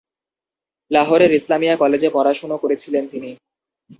লাহোরের ইসলামিয়া কলেজে পড়াশুনো করেছিলেন তিনি।